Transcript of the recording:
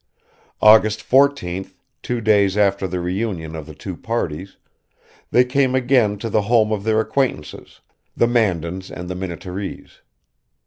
August 14th, two days after the reunion of the two parties, they came again to the home of their acquaintances, the Mandans and the Minnetarees.